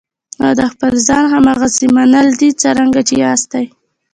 او د خپل ځان هماغسې منل دي څرنګه چې یاستئ.